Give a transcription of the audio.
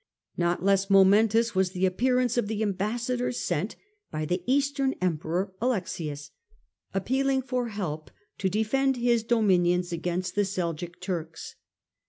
Not less momentous was the appearance of the ambassadors sent by the Eastern emperor, Alexius, appealing for help to defend his dominions against the Seljuk Turks.